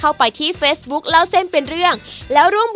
ไม่มีวันหยุดครับ